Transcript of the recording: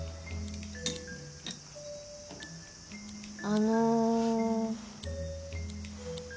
あの。